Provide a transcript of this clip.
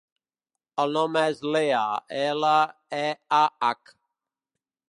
El nom és Leah: ela, e, a, hac.